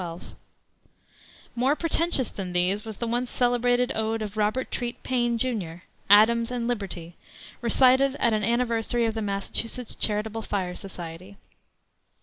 More pretentious than these was the once celebrated ode of Robert Treat Paine, Jr., Adams and Liberty, recited at an anniversary of the Massachusetts Charitable Fire Society.